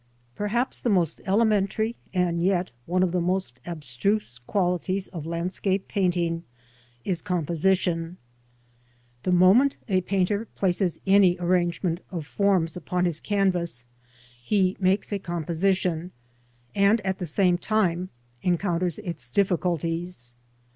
PERHAPS the most elementary and yet one of the most abstruse qualities of landscape painting is composition. The moment a painter places any arrangement of forms upon his canvas he makes a composition and at the same time encounters its difficulties.